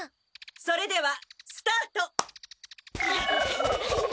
それではスタート！